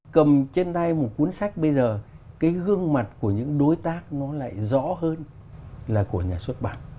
cầm trên tay một cuốn sách bây giờ cái gương mặt của những đối tác nó lại rõ hơn là của nhà xuất bản